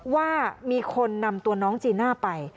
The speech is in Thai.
ว่ามีคนนำตัวน้องจีน่าไป